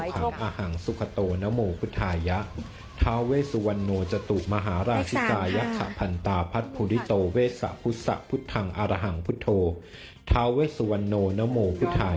ตั้งใจล้วงเลยนะร้วงมาร้วงมาร้วงมา